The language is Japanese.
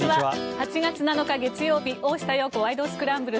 ８月７日、月曜日「大下容子ワイド！スクランブル」。